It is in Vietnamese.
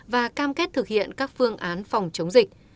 và cam kết thực hiện các phương án phòng chống dịch